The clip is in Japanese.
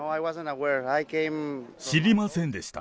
知りませんでした。